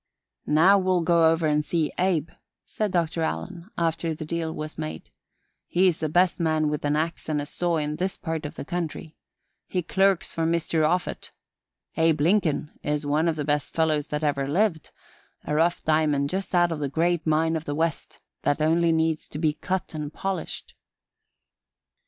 "Now we'll go over and see Abe," said Dr. Allen, after the deal was made. "He's the best man with an ax and a saw in this part of the country. He clerks for Mr. Offut. Abe Lincoln is one of the best fellows that ever lived a rough diamond just out of the great mine of the West, that only needs to be cut and polished."